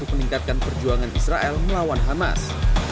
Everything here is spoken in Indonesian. untuk meningkatkan perjuangan israel melawan hamas